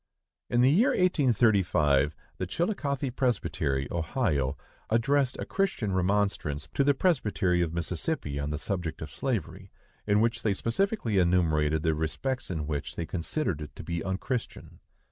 In the year 1835, the Chillicothe Presbytery, Ohio, addressed a Christian remonstrance to the presbytery of Mississippi on the subject of slavery, in which they specifically enumerated the respects in which they considered it to be unchristian.